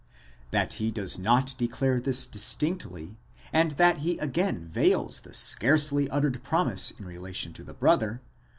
That he does not declare this distinctly, and that he again veils the scarcely uttered promise in relation to the brother (v.